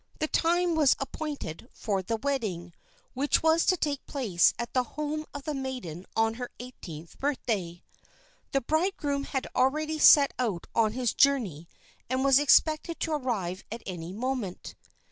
The time was appointed for the wedding, which was to take place at the home of the maiden on her eighteenth birthday. The bridegroom had already set out on his journey and was expected to arrive at any moment.